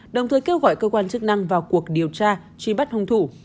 đồng thời kêu gọi cơ quan chức năng vào cuộc điều tra truy bắt hung thủ